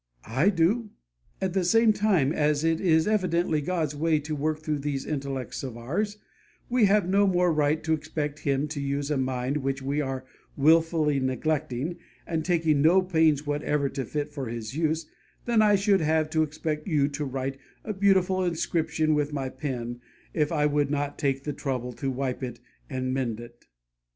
I do! At the same time, as it is evidently God's way to work through these intellects of ours, we have no more right to expect Him to use a mind which we are wilfully neglecting, and taking no pains whatever to fit for His use, than I should have to expect you to write a beautiful inscription with my pen, if I would not take the trouble to wipe it and mend it.